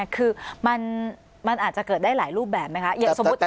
คือมันอาจจะเกิดได้หลายรูปแบบไหมคะ